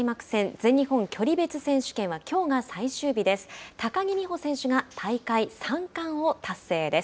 全日本距離別選手権はきょうが最終日です。